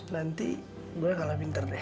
nanti gue kalah pinter deh